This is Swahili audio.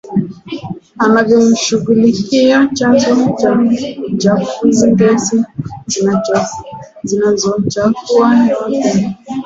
anavyoshughulikia chanzo cha uchafuziGesi zinazochafua hewa pia